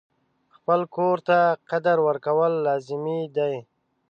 خپل کور ته قدر ورکول لازمي دي.